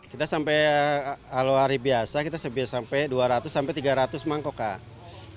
kita sampai kalau hari biasa kita sebir sampai dua ratus sampai tiga ratus mangkok kak